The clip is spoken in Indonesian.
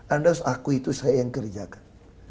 anda harus akui itu saya yang kerjakan